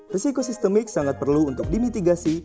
risiko sistemik sangat perlu untuk dimitigasi